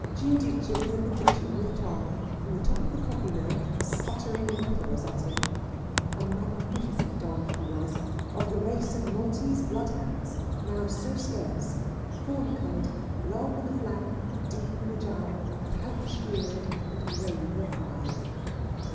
Giudice was in the kitchen, with Tom, from the top of the coffee mill, sputtering anathemas at him. A magnificent dog he was, of the race of Maltese bloodhounds, now so scarce, fawn coloured, long in the flank, deep in the jowl, pouch eared, and grave of eye.